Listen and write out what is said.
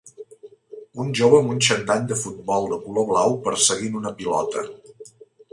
Un jove amb un xandall de futbol de color blau perseguint una pilota